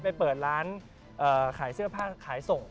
ไปเปิดร้านขายเสื้อผ้าขายส่ง